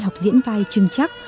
học diễn vai trưng chắc